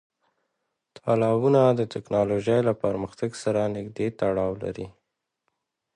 تالابونه د تکنالوژۍ له پرمختګ سره نږدې تړاو لري.